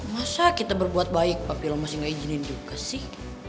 masa kita berbuat baik pak pilo masih gak izinin juga sih